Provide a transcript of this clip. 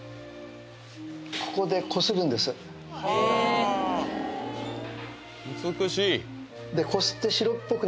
ここでこするんです美しい！